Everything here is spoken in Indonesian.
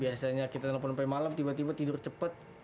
biasanya kita telpon sampai malem tiba tiba tidur cepet ya